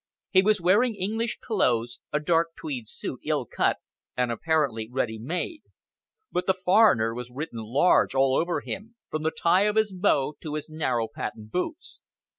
He was wearing English clothes a dark tweed suit, ill cut, and apparently ready made; but the foreigner was written large all over him, from the tie of his bow to his narrow patent boots.